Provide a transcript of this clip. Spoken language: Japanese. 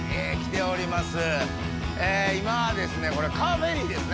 今はですねこれカーフェリーですね。